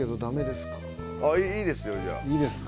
いいですか。